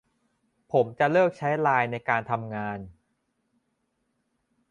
ผมจะเลิกใช้ไลน์ในการทำงาน